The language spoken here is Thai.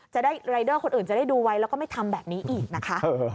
จะได้รายเดอร์คนอื่นจะได้ดูไว้แล้วก็ไม่ทำแบบนี้อีกนะคะ